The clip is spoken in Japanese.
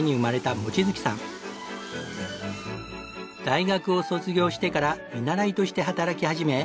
大学を卒業してから見習いとして働き始め。